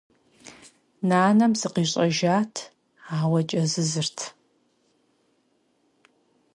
Нанэм зыкъищӀэжат, ауэ кӀэзызырт.